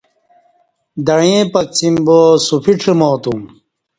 دعیں پکڅیم باصوفی ڄماتم